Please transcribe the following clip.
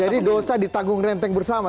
jadi dosa ditanggung renteng bersama